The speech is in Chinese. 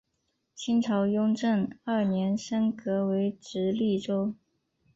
清朝雍正二年升格为直隶州。